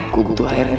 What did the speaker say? gue butuh air nih